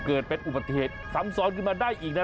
เกิดเป็นอุบัติเหตุซ้ำซ้อนขึ้นมาได้อีกนะ